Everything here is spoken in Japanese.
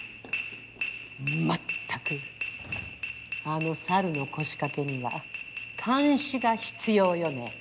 まったくあのサルノコシカケには監視が必要よね。